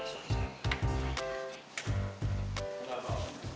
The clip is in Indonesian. nih sentral dulu